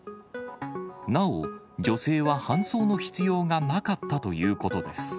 なお、女性は搬送の必要がなかったということです。